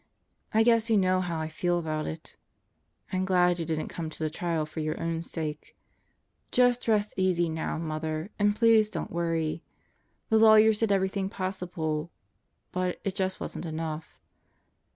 I guess you know how I feel about it. I'm glad you didn't come to the trial for your own sake. Just rest easy now, Mother, and please don't worry. ... The lawyers did everything possible, but it just wasn't enough.